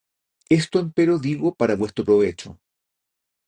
Esto empero digo para vuestro provecho;